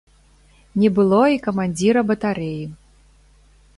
Не было і камандзіра батарэі.